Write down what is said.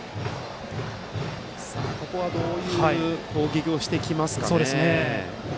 ここはどういう攻撃をしてきますかね。